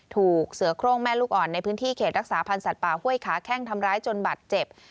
ถูกเสือโครงแม่ลูกอ่อนในพื้นที่เขตรักษาพันธ์สัตว์ป่าห้วยขาแข้งทำร้ายจนบัตรเจ็บ